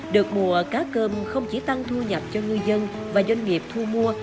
được mùa cá cơm không chỉ tăng thu nhập cho ngư dân và doanh nghiệp thu mua